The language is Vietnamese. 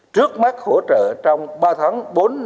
trước mắt hỗ trợ trong ba tháng bốn năm